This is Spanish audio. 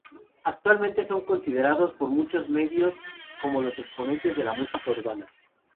Actualmente son considerados por muchos medios como los exponentes de la música urbana.